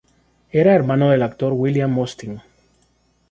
Era hermano del actor William Austin.